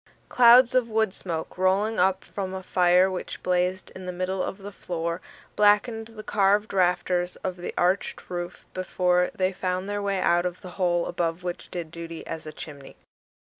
Clouds of wood smoke, rolling up from a fire which blazed in the middle of the floor, blackened the carved rafters of the arched roof before they found their way out of the hole above which did duty as a chimney.